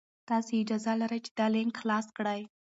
تاسي اجازه لرئ چې دا لینک خلاص کړئ.